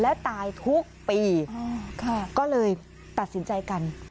แล้วตายทุกปีก็เลยตัดสินใจกัน